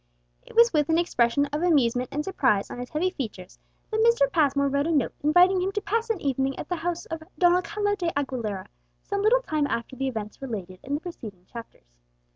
It was with an expression of amusement and surprise on his heavy features that Mr. Passmore read a note inviting him to pass an evening at the house of Don Alcala de Aguilera, some little time after the events related in the preceding chapters.